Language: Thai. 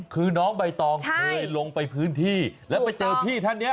คือน้องใบตองเคยลงไปพื้นที่แล้วไปเจอพี่ท่านนี้